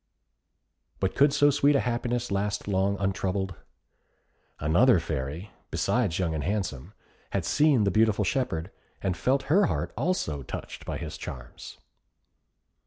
But could so sweet a happiness last long untroubled? Another Fairy, besides Young and Handsome, had seen the beautiful shepherd, and felt her heart also touched by his charms.